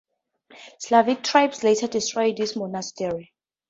Slavic tribes later destroyed this monastery.